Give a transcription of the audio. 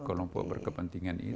kelompok berkepentingan itu